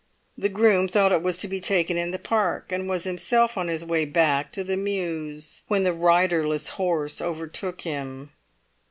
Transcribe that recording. The groom thought it was to be taken in the Park, and was himself on his way back to the mews when the riderless horse overtook him.